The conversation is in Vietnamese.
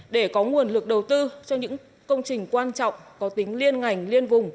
để có nguồn lực đầu tư cho những công trình quan trọng có tính liên ngành liên vùng